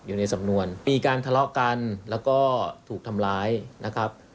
อยู่ในสำนวนมีการทะเลาะกันแล้วก็ถูกทำร้ายนะครับ